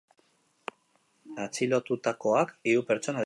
Atxilotutakoak hiru pertsona dira.